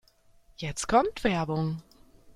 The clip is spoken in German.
Jetzt kommt Werbung.